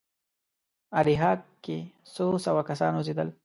اریحا کې څو سوه کسان اوسېدل.